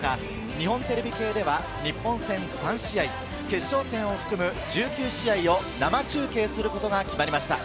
日本テレビ系では日本戦３試合、決勝戦を含む１９試合を生中継することが決まりました。